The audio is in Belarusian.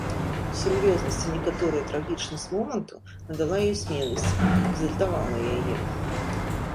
Сур'ёзнасць і некаторая трагічнасць моманту надала ёй смеласці, экзальтавала яе.